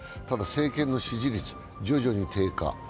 ただ、政権の支持率、徐々に低下。